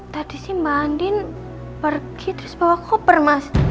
tadi sih mbak andin pergi terus bawa koper mas